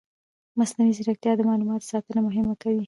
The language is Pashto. مصنوعي ځیرکتیا د معلوماتو ساتنه مهمه کوي.